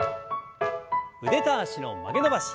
腕と脚の曲げ伸ばし。